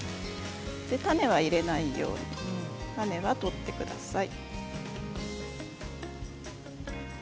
種は入れないように種は取ってください。